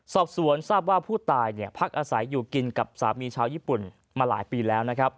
สอบสวนทราบว่าผู้ตายพักอาศัยอยู่กินกับสามีชาวญี่ปุ่นมาหลายปีแล้วนะครับ